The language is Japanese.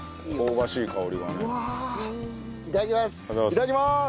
いただきます。